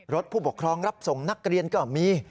ผู้ปกครองรับส่งนักเรียนก็มี